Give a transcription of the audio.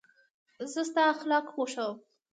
زه ستا اخلاق خوښوم.